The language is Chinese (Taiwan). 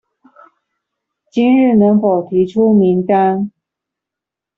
今日能否提出名單？